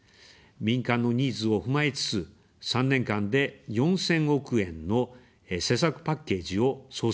民間のニーズを踏まえつつ、３年間で４０００億円の施策パッケージを創設しました。